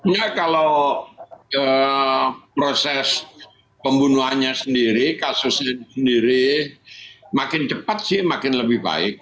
ya kalau proses pembunuhannya sendiri kasusnya sendiri makin cepat sih makin lebih baik